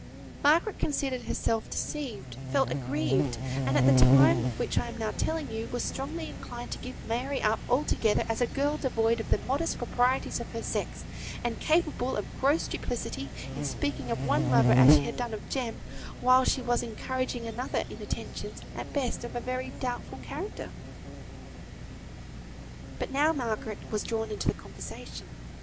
Margaret considered herself deceived; felt aggrieved; and, at the time of which I am now telling you, was strongly inclined to give Mary up altogether, as a girl devoid of the modest proprieties of her sex, and capable of gross duplicity, in speaking of one lover as she had done of Jem, while she was encouraging another in attentions, at best of a very doubtful character. But now Margaret was drawn into the conversation.